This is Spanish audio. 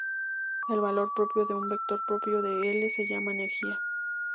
El valor propio de un vector propio de "L" se llama energía.